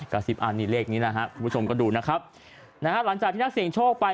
สิบอันนี้เลขนี้นะครับคุณผู้ชมก็ดูนะครับนะฮะหลังจากที่นักเสียงโชคไป